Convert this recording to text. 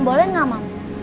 boleh nggak moms